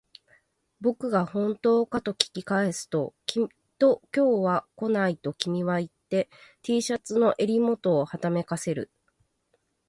僕が本当かと聞き返すと、きっと今日は来ないと君は言って、Ｔ シャツの襟元をはためかせる